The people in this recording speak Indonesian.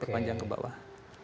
perpanjang ke bawah